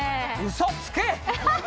嘘つけ！